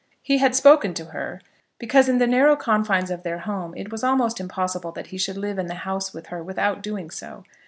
He had spoken to her, because in the narrow confines of their home it was almost impossible that he should live in the house with her without doing so.